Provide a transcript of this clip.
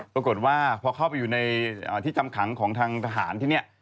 ปรากฏว่าพอเข้าไปอยู่ในที่จำขังของทางทหารที่นี่